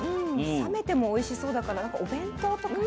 冷めてもおいしそうだからなんかお弁当とかね。